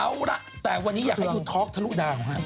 เอาละแต่วันนี้อยากให้ดูท็อกทะลุดาวฮะ